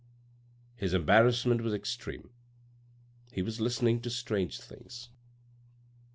His embarrassment was extreme, he was listening to strange things.